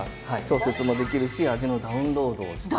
調節もできるし味のダウンロードをして。